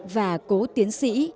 và cố tiến sĩ